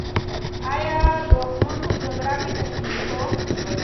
ایا دښمن په جګړه کې تسلیم شو؟